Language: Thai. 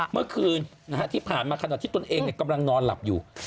เมื่อคืนที่ผ่านมาขณะที่ตนเองกำลังนอนหลับอยู่